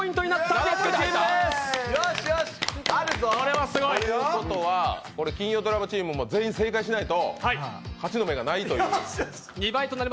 ということは金曜ドラマチームも全員正解しないと勝ちの目がないという。